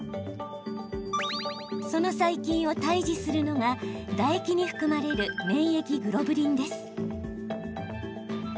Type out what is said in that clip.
その細菌を退治するのが唾液に含まれる免疫グロブリンです。